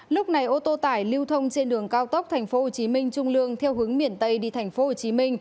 lúc này ô tô tải lưu thông trên đường cao tốc tp hcm trung lương theo hướng miền tây đi tp hcm